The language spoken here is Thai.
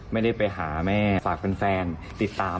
ไม่ได้ไปหาแม่ฝากแฟนติดตาม